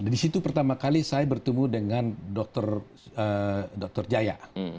di situ pertama kali saya bertemu dengan dokter jaya